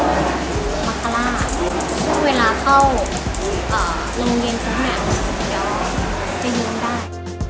กับมัคลาช่วงเวลาเข้าโรงเย็นสุดแหน่งเดี๋ยวจะยืนได้